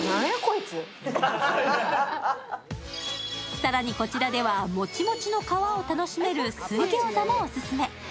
更に、こちらではもちもちの皮を楽しめる水餃子もオススメ。